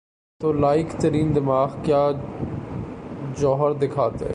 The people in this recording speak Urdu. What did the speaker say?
تو لائق ترین دماغ کیا جوہر دکھاتے؟